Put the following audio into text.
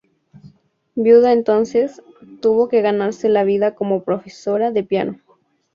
Viuda entonces, tuvo que ganarse la vida como profesora de piano.